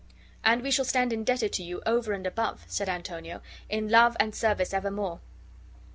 "And we shall stand indebted to you over and above," said Antonio, "in love and service evermore."